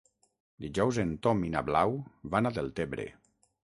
Dijous en Tom i na Blau van a Deltebre.